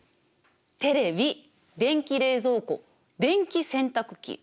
テレビ電気冷蔵庫電気洗濯機。